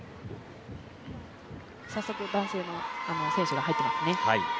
早速、男性の選手が入ってきましたね。